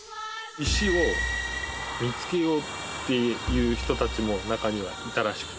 石を見つけようっていう人たちも中にはいたらしくて。